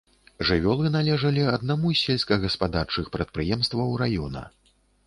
Жывёлы належалі аднаму з сельскагаспадарчых прадпрыемстваў раёна.